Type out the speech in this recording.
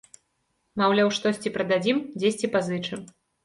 Маўляў, штосьці прададзім, дзесьці пазычым.